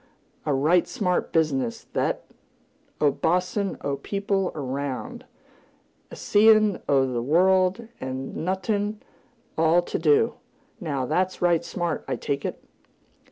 A right smart business, thet! A boss'n' o' people 'round, a seein' o' th' world, and noth'n' 't all to do! Now, that's right smart, I take it!"